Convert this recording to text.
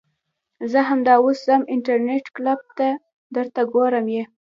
زه همدا اوس ځم انترنيټ کلپ ته درته ګورم يې .